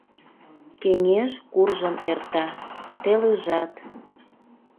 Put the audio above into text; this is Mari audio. Кеҥеж куржын эрта, телыжат –